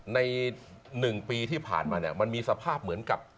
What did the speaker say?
ใน๑ปีที่ผ่านมาเนี่ยมันมีสภาพเหมือนกับ